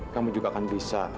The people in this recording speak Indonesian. kamu juga akan bisa